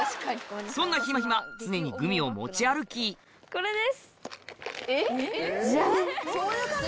そんなひまひま常にグミを持ち歩きこれです！